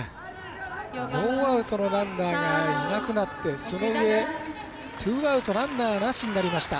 ノーアウトのランナーがいなくなってそのうえ、ツーアウトランナーなしになりました。